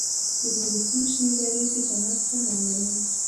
د نورستان شنې درې د جنت بڼه لري.